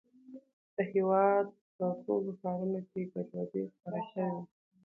د هېواد په ټولو ښارونو کې ګډوډي خپره شوې وه.